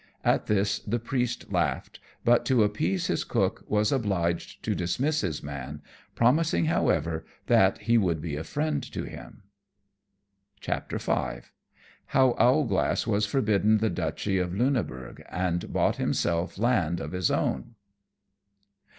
At this the Priest laughed; but to appease his cook was obliged to dismiss his man, promising, however, that he would be a friend to him. [Decoration] V. _How Owlglass was forbidden the Duchy of Luneburgh, and bought himself Land of his own.